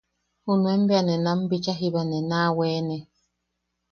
Junuen bea ne nam bichaa jiba ne naa weene.